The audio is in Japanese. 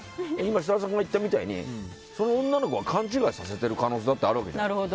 設楽さんが言ったみたいにその女の子が勘違いさせている可能性だってあるわけじゃないですか。